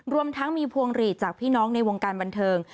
รวมทั้งมีพวงหลีดจากพี่น้องในวงการบันเทิง